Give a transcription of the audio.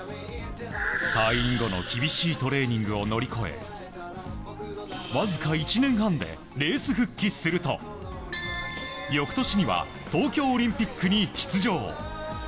退院後の厳しいトレーニングを乗り越えわずか１年半でレース復帰すると翌年には東京オリンピックに出場。